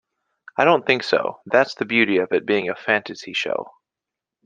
I don't think so...That's the beauty of it being a fantasy show.